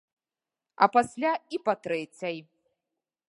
А пасля і па трэцяй!